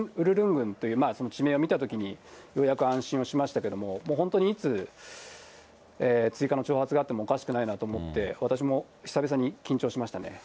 郡というその地名を見たときに、ようやく安心をしましたけども、本当にいつ、追加の挑発があってもおかしくないなと思って、私も久々に緊張しましたね。